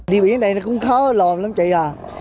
đi biển này cũng khó lòm lắm chị à